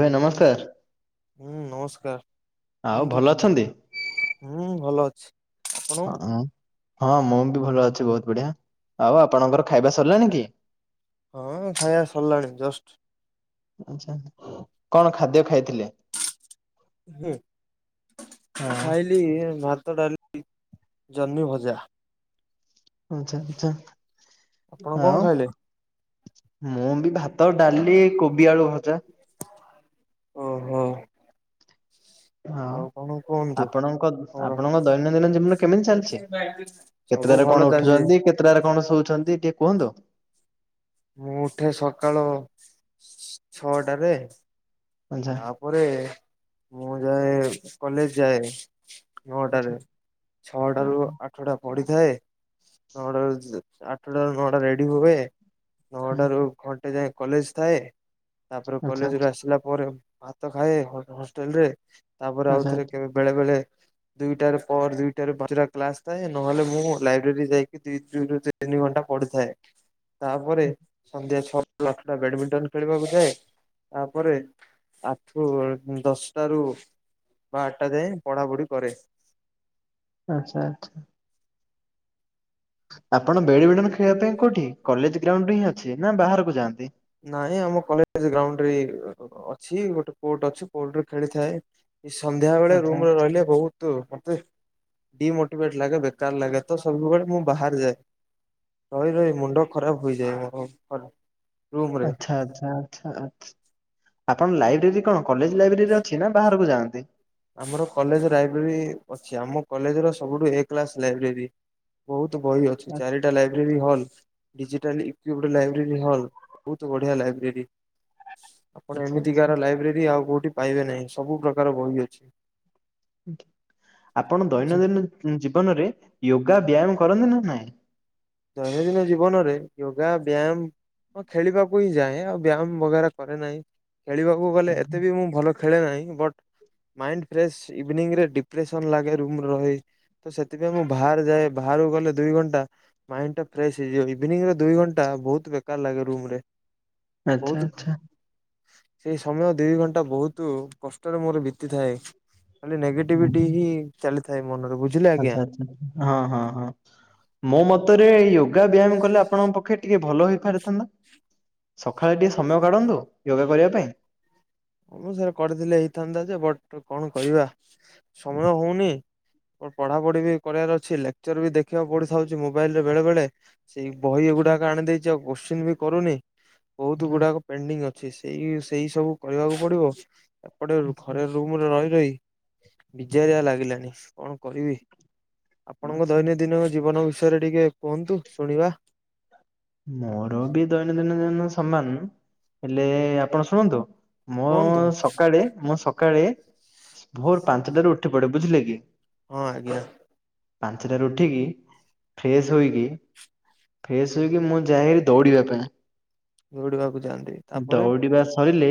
ଭାଇ, ହୁଁ ନମସ୍କାର। ହୁଁ ନମସ୍କାର, ଆଉ କୁହନ୍ତୁ ଭଲ ଅଛନ୍ତି? ହୁଁ ଭଲ ଅଛି। ଆପଣ? ହ ହଁ ମୁଁ ବି ଭଲ ଅଛି ବହୁତ ବଢିଆ ଆଉ ଆପଣଙ୍କର ଖାଇବା ସରିଲାଣି କି? ହଁ ଖାଇବା ସରିଲାଣି ଜଷ୍ଟ। ଆଛା କଣ ଖାଦ୍ୟ ଖାଇଥିଲେ? ମୁଁ ହଁ ଖାଇଲି ଭାତ ଡାଲି ଜହ୍ନି ଭଜା। ଆଚ୍ଛା ଆଚ୍ଛା। ଆପଣ କଣ ଖାଇଲେ? ମୁଁ ବି ଭାତ ଡାଲି କୋବି ଆଳୁ ଭଜା ଓହୋ। ହଁ ଆଉ କଣ କୁହନ୍ତୁ ଆପଣଙ୍କ ଖବର? ଆପଣଙ୍କ ଦୈନନ୍ଦିନ ଜୀବନ କେମିତି ଚାଲିଚି? ସବୁ କେତେଟାରେ ଭଲ କଣ ଚାଲିଛି ଉଠୁଚନ୍ତି କେତେଟାରେ କଣ ଶୋଉଛନ୍ତି ଟିକେ କୁହନ୍ତୁ। ମୁଁ ଉଠେ ସକାଳ ଛଅଟାରେ। ଆଛା ତାପରେ ମୁଁ ଯାଏ କଲେଜ ଯାଏ। ଆଛା ନଅଟାରେ, ଛଅଟାରୁ ଆଠୁଟା ପଢିଥାଏ ନଅଟାରୁ ଯା ଆଠଟାରୁ ନଅଟା ରେଡି ହୁଏ ନଅଟାରୁ ଘଣ୍ଟେ ଯାଏ କଲେଜ ଥାଏ। ତାପରେ ଆଛା କଲେଜରୁ ଆସିଲା ପରେ ଭାତ ଖାଏ ହ ହଷ୍ଟେଲରେ। ତାପରେ ଆଉ ଥରେ କେବେ ବେଳେ ବେଳେ ଦୁଇଟାରେ ପର ଦୁଇଟାରେ ପାଞ୍ଚଟା କ୍ଲାସ ଥାଏ ନହେଲେ ମୁଁ ଲାଇବ୍ରେରୀ ଯାଇକି ଦି ଦୁଇ [unintelligible] ଦି ଘଣ୍ଟା ପଡିଥାଏ। ତାପରେ ସନ୍ଧ୍ୟା ଛଅଟା [unintelligible] ଆଠୁଟା ବ୍ୟାଡମିଣ୍ଟନ ଖେଳିବାକୁ ଯାଏ ତାପରେ ଆଠୁ ଦଶଟାରୁ ବା ଆଠଟା ଯାଏଁ ପଢାପଢି କରେ। ଆଚ୍ଛା ଆଚ୍ଛା। ଆପଣ ବେଡମିଣ୍ଟନ ଖେଳିବା ପାଇଁ କୋଉଠି କଲେଜ ଗ୍ରାଉଣ୍ଡରେ ହିଁ ଅଛି ନା ବାହାରକୁ ଯାଆନ୍ତି। ନାଇଁ ଆମ କଲେଜ ଗ୍ରାଉଣ୍ଡରେ ହିଁ ଅଛି ଗୋଟେ କୋର୍ଟ ଅଛି କୋର୍ଟରେ ଖେଳିଥାଏ। ଏଇ ସନ୍ଧ୍ୟା ବେଳେ ଆଛା ରୁମରେ ରହିଲେ ବହୁତ ମତେ ଡିମୋଟିଭେଟ୍ ଲାଗେ ବେକାର ଲାଗେ ତ ସବୁବେଳେ ମୁଁ ବାହାରେ ଯାଏ। ରହି ରହି ମୁଣ୍ଡ ଖରାପ ହୋଇଯାଏ ମୋର ହର। ଆଚ୍ଛା ଆଚ୍ଛା ଆଚ୍ଛା ଆଚ୍ଛା ଆପଣ ଲାଇବ୍ରେରୀ କଣ କଲେଜ ଲାଇବ୍ରେରୀରେ ଅଛି ନା ବାହାରକୁ ଯାଆନ୍ତି? ଆମର କଲେଜ ଲାଇବ୍ରେରୀ ଅଛି ଆମ କଲେଜର ସବୁଠୁ ଏ କ୍ଲାସ ଲାଇବ୍ରେରୀ। ବୋହୁତ ବହି ଅଛି ଆଚ୍ଛା ଚାରିଟା ଲାଇବ୍ରେରୀ ହଲ୍। ଡିଜିଟାଲ ଇକ୍ୟୁବ୍ରି ଲାଇବ୍ରେରୀ ହଲ ବହୁତ ବଢିଆ ଲାଇବ୍ରେରୀ। ଆପଣ ଆଚ୍ଛା ଆଚ୍ଛା। ଏମିତିକାର ଲାଇବ୍ରେରୀ ଆଉ କୋଉଠି ପାଇବେ ନାହିଁ ସବୁ ପ୍ରକାର ବହି ଅଛି। ଆପଣ ବୁଝ ଦୈନନ୍ଦିନ ଉଁ ଜୀବନରେ ୟୋଗା ବ୍ୟାୟାମ କରନ୍ତି ନା ନାଇଁ? ଦୈନନ୍ଦିନ ଜୀବନରେ ୟୋଗା ବ୍ୟାୟାମ। ହଁ ଖେଳିବାକୁ ହିଁ ଯାଏ ଆଉ ବ୍ୟାୟାମ ବଗେରା କରେ ନାହିଁ ଖେଳିବାକୁ ଗଲେ ଏତେ ବି ମୁଁ ଭଲ ଖେଳେ ନାହିଁ ବଟ୍। ମାଇଣ୍ଡ ଫ୍ରେସ ଇଭିନିଙ୍ଗ ରେ ଡିପ୍ରେସନ ଲାଗେ ରୁମରେ ରହି ତ ସେଥିପାଇଁ ମୁଁ ବାହାରେ ଯାଏ ବା ଇଆଡୁ ଗଲେ ଦୁଇ ଘଣ୍ଟା। ମାଇଣ୍ଡଟା ଫ୍ରେସ ହେଇଯିବ ଇଭିନିଙ୍ଗ ର ଦୁଇ ଘଣ୍ଟା ବହୁତ ବେକାର ଲାଗେ ରୁମ ରେ। ଆଚ୍ଛା ବହୁତ ଖ ଆଚ୍ଛା। ସେଇ ସମୟ ଦି ଘଣ୍ଟା ବହୁତୁ କଷ୍ଟରେ ମୋର ବିତିଥାଏ। ଖାଲି ହୁଁ, ନେଗେଟିଭିଟି ହୁଁ। ହିଁ ଚାଲି ଆଚ୍ଛା ଆଚ୍ଛା ହଁ ହଁ ହଁ ମୋ ମତରେ ୟୋଗା ବ୍ୟାୟାମ କଲେ ଆପଣଙ୍କ ପକ୍ଷେ ଟିକେ ଭଲ ହୋଇପାରିଥାନ୍ତା? ସକାଳେ ଟିକେ ସମୟ କାଢନ୍ତୁ ୟୋଗା କରିବା ପାଇଁ। ହଁ ମ ସେୟା କରିଥିଲେ ହେଇଥାନ୍ତା ଯେ ବଟ କଣ କରିବା ସମୟ ହଉନି। ଓ ପଢାପଢି ବି କରିବାର ଅଛି ଲେକ୍ଚର ବି ଦେଖିବାକୁ ପଡିଥାଉଛି ମୋବାଇଲ ରେ ବେଳେ ବେଳେ। ସେଇ ବହି ଗୁଡାକ ଆଣି ଦେଇଛି ଆଉ କୋଶ୍ଚିନ୍ ବି କରୁନି ବହୁତ ଆଚ୍ଛା। ଗୁଡାକ ପେଣ୍ଡିଙ୍ଗ ଅ ଛି ସେଇ ସେଇ ସବୁ କରିବାକୁ ପଡିବ ଏପଟେ ରୁ ଘରେ ରୁମରେ ରହି ରହି। ବିଜାରିଆ ଲାଗିଲାଣି କଣ କରିବି? ଆପଣଙ୍କ ଆଚ୍ଛା। ଦୈନନ୍ଦିନ ଜୀବନ ବି ବିଷୟରେ ଟିକେ କୁହନ୍ତୁ ଶୁଣିବା? ମୋର ବି ଦୈନନ୍ଦିନ ଜୀବନ ସମାନ ହେଲେ ଆପଣ ଶୁଣନ୍ତୁ। ମୁଁ କୁହନ୍ତୁ। ସକାଳେ ମୁଁ ସକାଳେ ଭୋର ପାଞ୍ଚଟାରୁ ଉଠି ପଡେ। ବୁଝିଲେ କି? ହଁ ଆଜ୍ଞା। ପାଞ୍ଚଟା ରୁ ଉଠିକି ଫେଶ ହୋଇକି ଫେଶ ଶୋଇକି ମୁଁ ଯାଏ ଦୌଡିବା ପାଇଁ ଦୌଡିବାକୁ ଯାଆନ୍ତି ତାପରେ ଦୌଡିବା ସରିଲେ।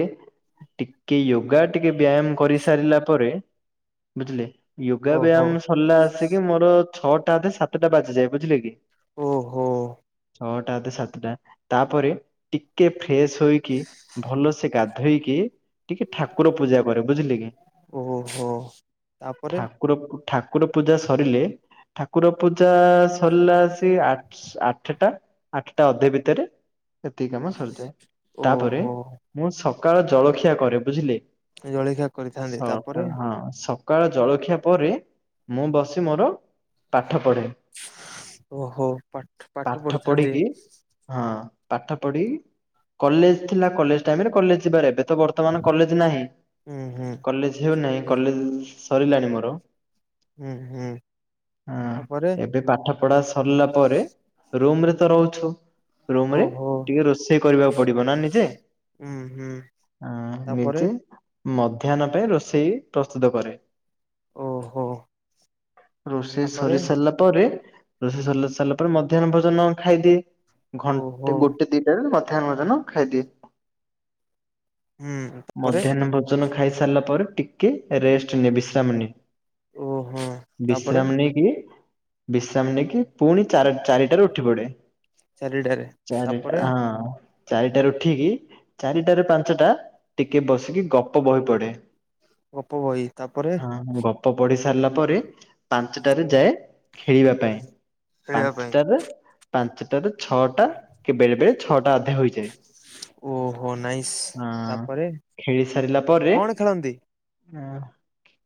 ଟିକେ ୟୋଗା ଟିକେ ବ୍ୟାୟାମ କରିସାରିଲା ପରେ ବୁଝିଲେ? ୟୋଗା ଓହୋ ବ୍ୟାୟାମ ସରିଲା ଆସିକି ମୋର ଛଅଟା ଅଧେ ସାତଟା ବାଜିଯାଏ। ବୁଝିଲେ କି? ଓ ହୋ। ଛଅଟା ଅଧେ ସାତଟା ତାପରେ ଟିକେ ଫ୍ରେଶ ହୋଇକି ଭଲସେ ଗାଧେଇକି ଟିକେ ଠାକୁର ପୂଜା କରେ। ବୁଝିଲେ କି? ଓହୋ ତାପରେ ଠାକୁର ଠାକୁର ପୂଜା ସରିଲେ। ଠାକୁର ପୂଜା ସରିଲା ଆସି ଆଠ ଆ ଆଠଟା ଆଠଟା ଅଧେ ଭିତରେ ଏତିକି କାମ ସରିଯାଏ ତାପରେ ଓହୋ ମୁଁ ସ ସକାଳ ଜଳଖିଆ କରେ ବୁଝିଲେ ଜଳଖିଆ କରିଥାନ୍ତି ତାପରେ ସକାଳ ହଁ ସ ସକାଳ ଜଳଖିଆ ପରେ ମୁଁ ବସି ମୋର ପାଠ ପଢ଼େ। ଓହୋ। ପାଠ ପାଠ ପଢିଥାନ୍ତି ପଢିକି ହଁ। ପାଠ ପଢି କଲେଜ ଥିଲା କଲେଜ ଟାଇମରେ କଲେଜ ଯିବାର ଏବେ ତ ବର୍ତମାନ କଲେଜ ନାହିଁ ହୁଁ ହୁଁ କଲେଜ ହେଉନାହିଁ କଲେଜ ସରିଲାଣି ମୋର। ହୁଁ ହୁଁ ହୁଁ ତାପରେ ଏବେ ପାଠ ପଢା ସରିଲା ପରେ। ରୁମରେ ତ ରହୁଛୁ ରୁମରେ ଓହୋ ଟିକେ ରୋଷେଇ କରିବାକୁ ପଡିବ ନା ନିଜେ। ହୁଁ ହୁଁ ହଁ ତାପରେ ନିଜେ। ମଧ୍ୟାହ୍ନ ପାଇଁ ରୋଷେଇ ପ୍ରସ୍ତୁତ କରେ। ଓହୋ ରୋଷେଇ ତାପରେ ସରି ସାରିଲା ପରେ ରୋଷେଇ ସ ସାରିଲା ପରେ ମଧ୍ୟାହ୍ନ ଭୋଜନ ଖାଇଦିଏ ଘଣ୍ଟେ ଓହୋ ଗୋଟେ ଦିଟାରେ ମଧ୍ୟାହ୍ନ ଭୋଜନ ଖାଇଦିଏ ହୁଁ ତାପରେ ମଧ୍ୟାହ୍ନ ଭୋଜନ ଖାଇସ ସାରିଲା ପରେ ଟିକେ ରେଷ୍ଟ ନିଏ ବିଶ୍ରାମ ନିଏ। ଓହୋ ତାପରେ ବିଶ୍ରାମ ନେଇକି ବିଶ୍ରାମ ନେଇକି ପୁଣି ଚାରି ଚାରି ଟାରୁ ଉଠି ପଡେ ଚାରିଟାରେ ଚାରି ତାପରେ ଟା ହଁ ଚାରିଟାରୁ ଉଠିକି ଚାରିଟାରୁ ପାଞ୍ଚଟା ଟିକେ ବସିକି ଗପ ବହି ପଡେ। ଗପ ବହି ତାପରେ ଗପ ପଢି ସାରିଲା ପରେ ପାଞ୍ଚଟାରେ ଯାଏ ଖେଳିବା ପାଇଁ। ଖେଳିବା ପାଇଁ ଟାରେ ପାଞ୍ଚଟାରେ ଛଅଟା କି ବେଳେ ବେଳେ ଛଅଟା ଅଧେ ହୋଇଯାଏ। ଓହୋ ନାଇସ୍ ତାପରେ ହଁ ଖେଳି ସାରିଲା ପରେ କଣ ଖେଳନ୍ତି? ହ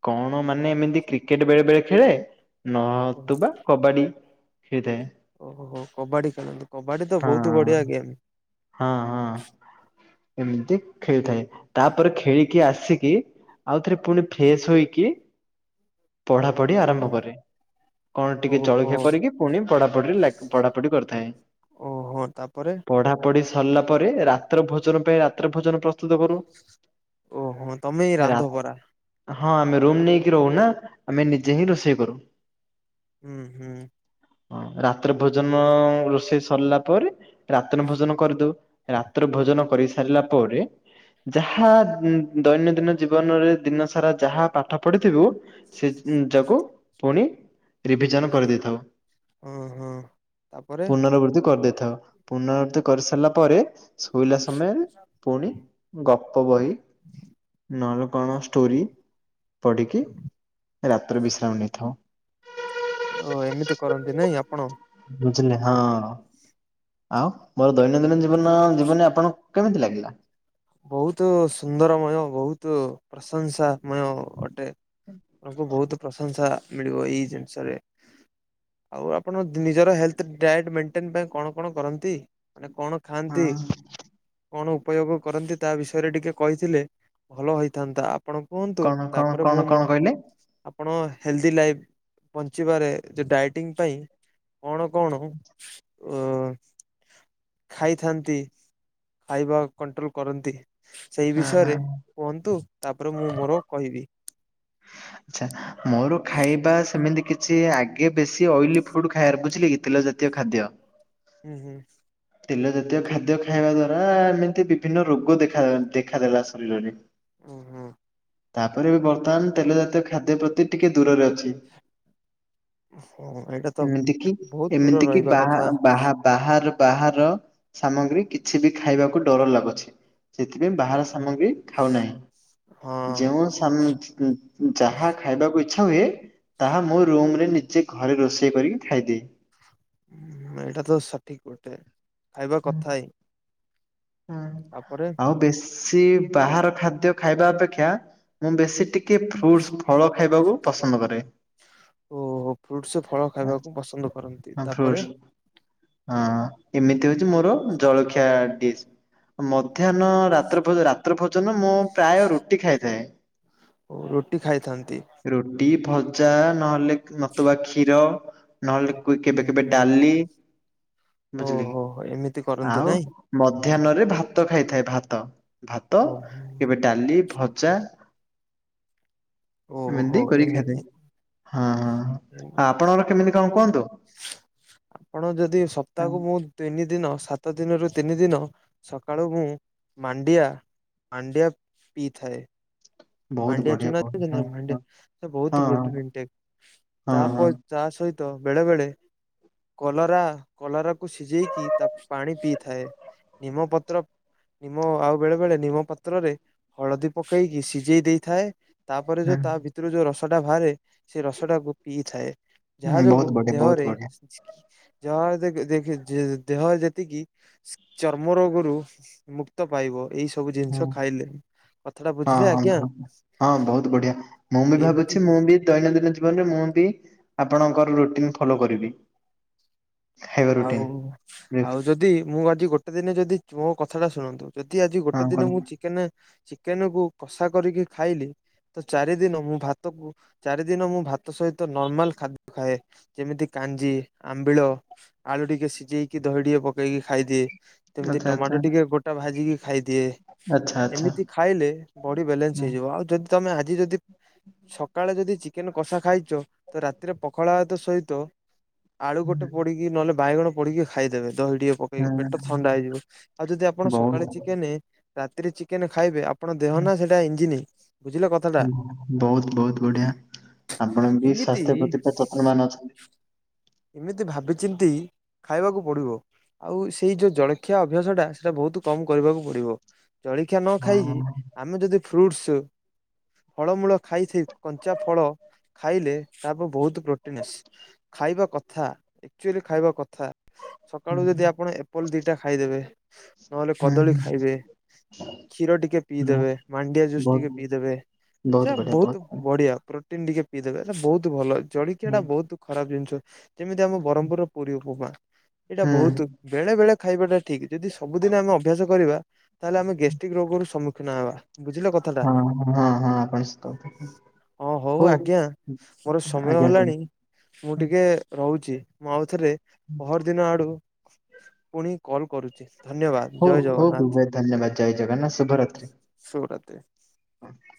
କଣ ମାନେ ଏମିତି କ୍ରିକେଟ ବେଳେ ବେଳେ ଖେଳେ। ନ ତୁବା କବାଡି। ଖେଳିଥାଏ ଓହୋହୋ କବାଡି ଖେଳନ୍ତୁ କବାଡି ତ ହଁ ବହୁତ ବଢିଆ ଗେମ୍। ହଁ ହଁ ଏମିତି ଖେଳିଥାଏ ତାପରେ ଖେଳିକି ଆସିକି ଆଉ ଥରେ ପୁଣି ଫ୍ରେଶ ହୋଇକି ପଢା ପଢି ହୁଁ ଆରମ୍ଭ ହୁଁ କରେ କଣ ଟିକେ ଓହୋ। ଜଳଖିଆ କରିକି ପୁଣି ପଢାପଢି ଲା ପଢାପଢି କରିଥାଏ। ଓହୋ ତାପରେ? ପଢ଼ି ସରିଲା ପରେ ରାତ୍ର ଭୋଜନ ପାଇଁ ରାତ୍ର ଭୋଜନ ପ୍ର ତ କରୁ ଓହୋ ତମେ ରା ରାନ୍ଧ ପରା ହଁ ଆମେ ରୁମ ନେଇକି ରହୁନା ଆମେ ନିଜେ ହିଁ ରୋଷେଇ କରୁ। ହୁଁ ହୁଁ। ହଁ ରାତିରେ ଭୋଜନ ରୋଷେଇ ସରିଲା ପରେ ରାତିରେ ଭୋଜନ କରିଦଉ ରାତ୍ର ଭୋଜନ କରି ସାରିଲା ପରେ ଯାହା ଦୈନନ୍ଦିନ ଜୀବନରେ ଦିନ ସାରା ଯାହା ପାଠ ପଢିଥିବୁ ସେ ନି ଯକୁ ପୁଣି ରିଭିଜନ କରିଦେଇଥାଉ। ଓଁ ହଁ ତାପରେ ପୁନବତି କରିସାରିଲା ପରେ ଶୋଇଲା ସମୟରେ ପୁଣି ଗପ ବହି ନ କଣ ଷ୍ଟୋରି ପଢ଼ିକି ରାତିରେ ବିଶ୍ରାମ ନେଇଥାଉ। ଓ ଏମିତି କରନ୍ତି ନାଇଁ ଆପଣ? ବୁଝିଲ ହଁ ଆଉ ମୋର ଦୈନନ୍ଦିନ ଜୀବନ ଜୀବନ ଆପଣଙ୍କୁ କେମିତି ଲାଗିଲା? ବହୁତ ସୁନ୍ଦରମୟ ବହୁତ ପ୍ରଶଂସାମୟ ଅଟେ। ଆଙ୍କୁ ବହୁତ ପ୍ରଶଂସା ମିଳିବ ଏଇ ଜିନିଷରେ ଆଉ ଆପଣ ନିଜର ହେଲ୍ଥ ଡାଏଟ୍ ମେଣ୍ଟେନ ପାଇଁ କଣ କଣ କରନ୍ତି? ମାନେ କଣ ଖାଆନ୍ତି ହଁ। କଣ ଉପଯୋଗ? କରନ୍ତି ତା ବିଷୟରେ ଟିକେ କହିଥିଲେ ଭଲ ହେଇଥାନ୍ତା ଆପଣ। କୁହନ୍ତୁ କଣ କଣ ତାପରେ କଣ ମୁଁ କଣ କହିଲେ? ଆପଣ ହେଲ୍ଦି ଲାଇଫ୍ ବଞ୍ଚିବାରେ ଯେ ଡାଇଟିଂ ପାଇଁ କଣ କଣ? ଓ ଖାଇଥାନ୍ତି ଖାଇବା କଣ୍ଟ୍ରୋଲ କରନ୍ତି। ସେଇ ହଁ ହଁ ବିଷୟରେ ଆଚ୍ଛା କୁହନ୍ତୁ ତାପରେ ମୁଁ ମୋର କହିବି। ଆଛା ମୋର ଖାଇବା ସେମିତି କିଛି ଆଗେ ବେଶି ଅଏଲି ଫୁଡ ଖାଇବାର ବୁଝିଲେ କି ତେଲ ଖାଦ୍ୟ ହୁଁ ହୁଁ। ତେଲ ଜାତୀୟ ଖାଦ୍ୟ ଖାଇବା ଦ୍ଵାରା ଏମିତି ବିଭିନ୍ନ ରୋଗ ଦେଖା ଦେଖାଦେଲା ଶରୀରରେ ଓ ହୁଁ। ତାପରେ ବି ବର୍ତ୍ତମାନ ତେଲ ଜାତୀୟ ଖାଦ୍ୟ ପ୍ରତି ଟିକେ ଦୂରରେ ଅଛି। ହଁ ଏଇଟା ତ ଏମିତି କି ବହୁତ ଦୂର ଏମିତି କି ରହିବା ବା କଥା ବା ବାହାର ବାହାର ସାମଗ୍ରୀ କିଛି ବି ଖାଇବାକୁ ଡର ଲାଗୁଛି। ସେଥିପାଇଁ ବାହାର ସାମଗ୍ରୀ ଖାଉ ନାହିଁ। ହଁ। ଯେଉଁ ସାମ ଯାହା ଖାଇବାକୁ ଇଛା ହୁଏ ତାହା ମୁ ରୁମରେ ନିଜେ ଘରେ ରୋଷେଇ କରିକି ଖାଇଦିଏ। ଏଇଟା ତ ସଠିକ ଗଟେ ଖାଇବା କଥା ହିଁ। ହୁଁ ତାପରେ ଆଉ ବେଶୀ ବାହାର ଖାଦ୍ୟ ଖାଇବା ଅପେକ୍ଷା ମୁଁ ବେଶୀ ଟିକେ ଫ୍ରୁଟ୍ ଫଳ ଖାଇବାକୁ ପସନ୍ଦ କରେ। ଓ ଫ୍ରୁଟସ ଫଳ ଖାଇବାକୁ ପସନ୍ଦ କରନ୍ତି ଫ୍ରୁଟସ ତାପରେ ହଁ ଏମିତି ମୋର ଜଳଖିଆ ଡିସ୍ ମଧ୍ୟାହ୍ନ ରାତ୍ର ରା ମୁଁ ପ୍ରାୟ ରୁଟି ଖାଇଥାଏ। ଓ ରୁଟି ଖାଇଥାନ୍ତି। ଚା ନହେଲେ ନଥିବା କ୍ଷୀର ନହେଲେ ହୁଁ କେବେ କେବେ ହୁଁ ଡାଲି ବୁଝିଲି। ଓହୋ ଏମିତି କରନ୍ତି ଆଉ ନାଇଁ ମଧ୍ୟାହ୍ନରେ ଭାତ ଖାଇଥାଏ ଭାତ ଭାତ ଓ କେବେ ଡାଲି ଭ ଚା ଓହୋ ଏମିତି ହଁ ହଁ ହଁ। ଆଉ ଆପଣଙ୍କର କେମିତି କଣ କୁହନ୍ତୁ? ଆପଣ ଯଦି ସପ୍ତାହକୁ ମୁଁ ତିନି ଦିନ ସାତ ସାତ ଦିନରୁ ତିନି ଦିନ ସକାଳୁ ମୁଁ ମାଣ୍ଡିଆ। ମାଣ୍ଡିଆ ପିଇଥାଏ। ବହୁତ ମାଣ୍ଡିଆ ବଢିଆ ଚୁନା ବହୁତ ହଁ ଖାଇଛନ୍ତି ହଁ ମାଣ୍ଡିଆ ବହୁତ ହଁ ପୋଟିନ ହଁ ତାପ ହଁ ତା ସହିତ। ତ ବେଳେବେଳେ କଲରା କଲରାକୁ ସିଝେଇକି ତାକୁ ପାଣି ପିଇଥାଏ ନିମପତ୍ର ନିମ ଆଉ ବେଳେ ବେଳେ ନିମ ପାତ୍ରରେ ହଳଦୀ ପକେଇକି ସିଝ ସିଜେଇ ଦେଇଥାଏ ତାପରେ ହଁ। ଯୋଉ ତା ଭିତରୁ ଯୋଉ ରସଟା ବାହାରେ ସେ ରସ ଟାକୁ ପିଇଥାଏ ଯାହା ହୁଁ ବହୁତ ଯୋଗୁଁ ବଢିଆ ବହୁତ ଦେହରେ ବଢିଆ ଯାହା ଦେ ଦେହ ଯେତିକି ଚର୍ମ ରୋଗରୁ ମୁକ୍ତ ପାଇବ ଏଇ ସବୁ ହୁଁ ଜିନିଷ ଖାଇଲେ କଥା ଟା ହଁ ବୁଝିଲେ। ହଁ ଆଜ୍ଞା ହଁ ବହୁତ ବଢିଆ ମୁଁ ବି ଏମିତି ଭାବୁଛି ମୁଁ ବି ଦୈନନ୍ଦିନ ଜୀବନରେ ମୁଁ ବି ଆପଣଙ୍କର ରୁଟିନ୍ ଫଲୋ କରିବି। ଖାଇବା ଆଉ ରୁଟିନ ଆଉ ହଁ ଯଦି ମୁଁ ଆଜି ଗୋଟେ ଦିନେ ଯଦି ମୋ କଥାଟା ଶୁଣନ୍ତୁ। ଯଦି ଆଜି ଗୋଟେ ଦିନ କର ମୁଁ ଚିକେନ ଚିକେନକୁୁ କଷା କରିକି ଖାଇଲି ତ ଚାରି ଦିନ ମୁଁ ଭାତକୁ ଚାରି ଦିନ ମୁଁ ଭାତ ସହିତ ନର୍ମାଲ୍ ଖାଦ୍ୟ ଖାଏ ଯେମିତି କାଞ୍ଜି ଆମ୍ବିଳ ଆଳୁ ଟିକେ ସିଝେଇକି ଦହି ଟିକେ ପକେଇକି ଖାଇଦିଏ। ଏମ୍ତି ଆଚ୍ଛା ଆଚ୍ଛା ଟମାଟୋ ଟିକେ ଗୋଟା ଭାଜିକି ଖାଇଦିଏ। ଆଚ୍ଛା ଆଚ୍ଛା। ଏମିତି ଖାଇଲେ ବଡି ବାଲାନ୍ସ ହୁଁ ହେଇଯିବ ଆଉ ଯଦି ତମେ ଆଜି ଯଦି ସକାଳେ ଯଦି ଚିକେନ କଷା ଖାଇଛୁ ତ ରାତିରେ ପଖାଳ ଭାତ ସହିତ ଆଳୁ ଗୋଟେ ହୁଁ ପୋଡି ବାଇଗଣ ପୋଡିକି ଖାଇଦେବେ ଦହି ଟିକେ ପକେଇକି ପେଟ ଥଣ୍ଡା ହୁଁ ହେଇଯିବ ଆଉ ଯଦି ଆପଣ ସକାଳେ ବହୁତ ଚିକେନେ ରାତିରେ ଚିକେନେ ଖାଇବେ ଆପଣ ଦେହ ନା ସେଇଟା ଇଞ୍ଜିିନି ହଁ ବହୁତ ବହୁତ ବଢିଆ। ଆପଣ ବି ଏମିତି ସ୍ଵାସ୍ଥ୍ୟ ପ୍ରତି ଯତ୍ନବାନ ଅଛନ୍ତି। ଏମିତି ଭାବିଚିନ୍ତି ଖାଇବାକୁ ପଡିବ। ଆଉ ସେଇ ଯୋଉ ଜଳଖିଆ ଅଭ୍ୟାସ ଟା ସେଇଟା ବହୁତ କମ୍ କରିବାକୁ ପଡିବ। ଜଳଖିଆ ନ ଖାଇକି ହଁ ଆମେ ଯଦି ଫ୍ରୁଟସ୍ ଫଳମୂଳ ଖାଇଥେ କଞ୍ଚା ଫଳ ଖାଇଲେ ତା ବହୁତ ପ୍ରୋଟିନସ୍ ଖାଇବା କଥା ଆକ୍ଚୁଲି ଖାଇବା କଥା। ହୁଁ ସକାଳୁ ଯଦି ଆପଣ ଏପଲ ଦିଟା ଖାଇଦେବେ ନହେଲେ ହୁଁ କଦଳୀ ଖାଇବେ। କ୍ଷୀର ଟିକେ ପିଇଦେବେ ମାଣ୍ଡିଆ ଜୁସ୍ ବହୁତ ଟିକେ ବହୁତ ପିଇଦେବେ ସେ ବହୁତ ବଢିଆ। ପ୍ରୋଟିନ୍ ଟିକେ ପିଇଦେବେ। ଏଇଟା ବହୁତ ଭଲ। ଜଳିଖିଆ ହୁଁ ଟା ବହୁତ୍ ଖରାପ ଜିନିଷ। ଯେମିତି ଆମ ବରହମ୍ପୁର୍ ର ପୁରୀ ଉପମା! ଏଇଟା ହୁଁ ବହୁତୁ ବେଳେ ବେଳେ ଖାଇବାଟା ଠିକ୍। ଯଦି ସବୁଦିନ ଆମେ ଅଭ୍ୟାସ କରିବା, ତାହେଲେ ଆମେ ଗ୍ୟାଷ୍ଟ୍ରିକ୍ ରୋଗରୁ ସମ୍ମୁଖୀନ ହେବା। ବୁଝିଲେ କଥାଟା ହଁ ହଁ ହଁ ହଁସତକଥା। ହଁ, ହଉ ଆଜ୍ଞା ମୋର ସମୟ ଆଜ୍ଞା ହେଲାଣି। କୁହନ୍ତୁ। ମୁଁ ଟିକେ ରହୁଛି। ମୁଁ ଆଉଥରେ ପହର ଦିନ ଆଡ଼ୁ ପୁଣି କଲ୍ କରୁଚି। ଧନ୍ୟବାଦ, ହଉ ଜୟ ହଉ ଜଗନ୍ନାଥ! ବିବେକ, ଧନ୍ୟବାଦ ଜୟ ଶୁଭରାତ୍ ହଁ।